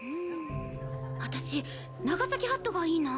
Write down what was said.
私長崎ハットがいいな。